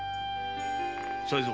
才三。